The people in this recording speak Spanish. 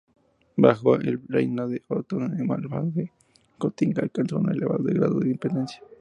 Bajo el reinado de Otón el Malvado Gotinga alcanzó un elevado grado de independencia.